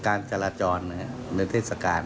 การจราจรในเทศกาล